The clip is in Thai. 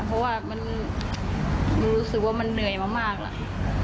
เพราะว่ามันรู้สึกว่ามันเหนื่อยมามากล่ะ